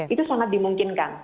itu sangat dimungkinkan